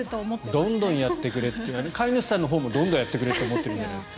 どんどんやってくれって飼い主さんのほうもどんどんやってくれって思ってるんじゃないですか。